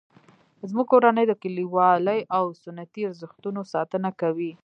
زموږ کورنۍ د کلیوالي او سنتي ارزښتونو ساتنه کوي